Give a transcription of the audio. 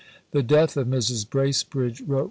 "The death of Mrs. Bracebridge," wrote M.